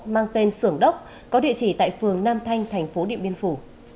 mang tên sưởng đốc có địa chỉ tại phường nam thanh tp điện biên phủ